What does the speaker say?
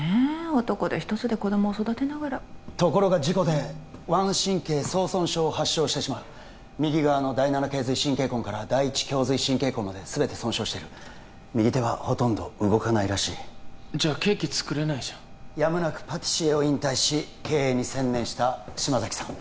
男手一つで子どもを育てながらところが事故で腕神経叢損傷を発症してしまう右側の第７頚髄神経根から第１胸髄神経根まで全て損傷してる右手はほとんど動かないらしいじゃあケーキ作れないじゃんやむなくパティシエを引退し経営に専念した嶋崎さん